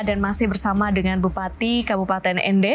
dan masih bersama dengan bupati kabupaten nd